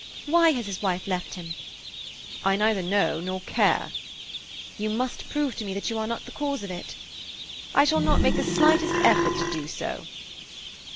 Why has his wife left him?" "I neither know nor care." "You must prove to me that you are not the cause of it." "I shall not make the slightest effort to do so."